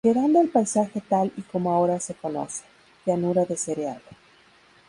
Quedando el paisaje tal y como ahora se conoce, llanura de cereal.